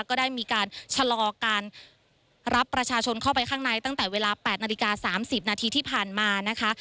ก็ได้มีการชะลอการรับประชาชนเข้าไปข้างในตั้งแต่เวลา๘นาฬิกา๓๐นาทีที่ผ่านมานะคะ